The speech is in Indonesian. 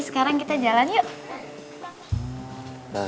sekarang kita jalan yuk